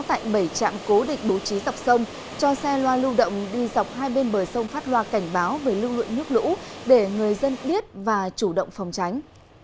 tại bảy trạm cố định bố trí dọc sông cho xe loa lưu động đi dọc hai bên bờ sông phát loa cảnh báo về lưu lượng nước lũ để người dân biết và chủ động phòng tránh